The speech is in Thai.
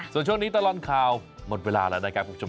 ส่วนช่วงนี้ตลอดข่าวหมดเวลาแล้วนะครับคุณผู้ชม